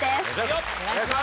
お願いします！